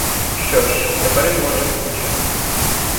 Що ж, тепер він може відпочити.